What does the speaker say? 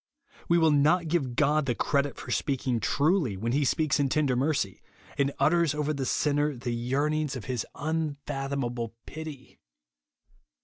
We w^ill not give God the credit for speaking tridy when he speaks in ten der mercy, and utters over the sinner the yearnings of his unfathomable pity.